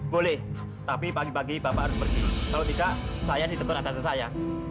boleh tapi pagi pagi bapak harus pergi kalau tidak saya di depan atas saya